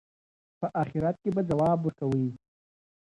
په آخرت کې به ځواب ورکوئ.